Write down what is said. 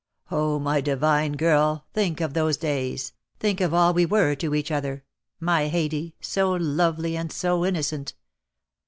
"Oh, my divine girl, think of those days, think of all we were to each other, my Haidee, so lovely and so innocent.